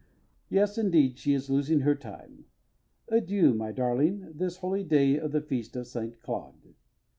Yes, indeed, she is losing her time. Adieu, my darling, this holy day of the Feast of St. Claude.